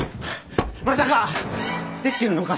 まさかデキてるのか！？